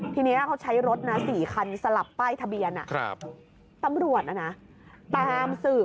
ทีนี้เขาใช้รถนะ๔คันสลับป้ายทะเบียนตำรวจตามสืบ